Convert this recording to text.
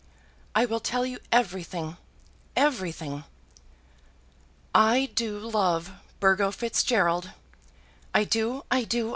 I will tell you everything; everything! I do love Burgo Fitzgerald. I do! I do!